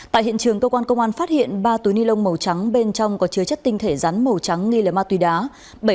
tại hiện trường cơ quan công an phát hiện ba túi ni lông màu trắng bên trong có chứa chất tinh thể rắn màu trắng nghi là ma túy đá